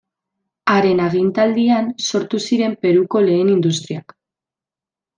Haren agintaldian sortu ziren Peruko lehen industriak.